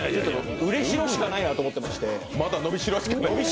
売れしろしかないなと思っていまして。